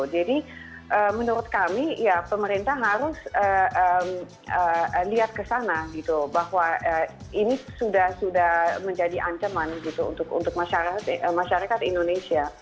jadi menurut kami ya pemerintah harus lihat ke sana gitu bahwa ini sudah sudah menjadi ancaman gitu untuk masyarakat indonesia